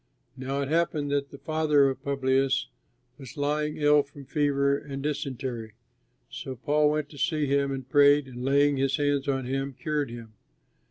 Now it happened that the father of Publius was lying ill from fever and dysentery. So Paul went to see him and prayed, and, laying his hands on him, cured him.